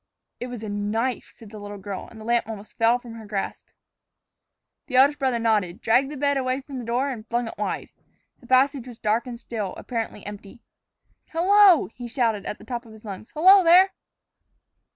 "It was a knife," said the little girl, and the lamp almost fell from her grasp. The eldest brother nodded, dragged the bed away from the door, and flung it wide. The passage was dark and still, apparently empty. "Hello!" he shouted at the top of his lungs. "Hello, there!"